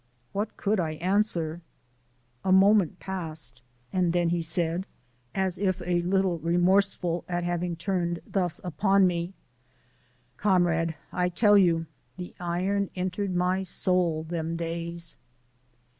What could I answer? A moment passed and then he said, as if a little remorseful at having turned thus on me: "Comrade, I tell you, the iron entered my soul them days."